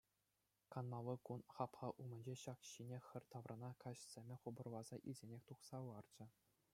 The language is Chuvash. Канмалли кун хапха умӗнчи сак ҫине хӗр таврана каҫ сӗмӗ хупӑрласа илсенех тухса ларчӗ.